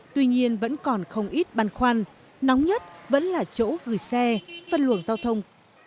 tuy nhiên vẫn còn không ít băn khoăn nóng nhất vẫn là chỗ gửi xe phân luồng giao thông